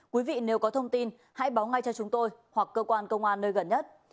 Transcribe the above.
quý vị nếu có thông tin hãy báo ngay cho chúng tôi hoặc cơ quan công an nơi gần nhất